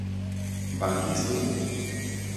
Wann gehst du?